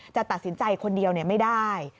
จะตัดสินใจคนเดียวไม่ได้